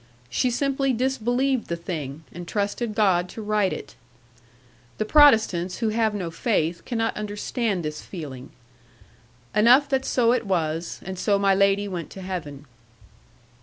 She simply disbelieved the thing, and trusted God to right it. The Protestants, who have no faith, cannot understand this feeling. Enough that so it was; and so my Lady went to heaven.